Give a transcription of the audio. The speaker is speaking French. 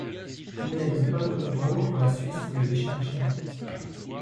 Il n'y a donc pas de contrôle entre la Suisse et le Liechtenstein.